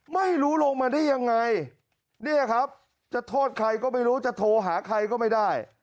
ไม่รู้ลงมาได้ยังไงเนี่ยครับจะโทษใครก็ไม่รู้จะโทรหาใครก็ไม่ได้